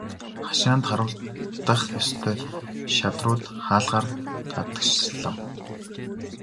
Хашаанд харуулдах ёстой шадрууд хаалгаар гадагшлав.